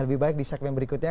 lebih baik di segmen berikutnya